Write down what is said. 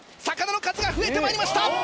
魚の数が増えてまいりました！